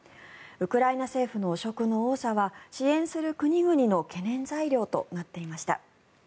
ウクライナ政府の汚職の多さは支援する国々の懸念材料となっていました。